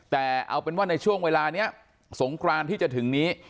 แต่เอาเป็นว่าในช่วงเวลานี้สงครานที่จะถึงนี้